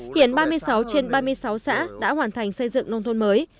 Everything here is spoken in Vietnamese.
hiện ba mươi sáu trên ba mươi sáu xã đã hoàn thành xây dựng nông thôn mới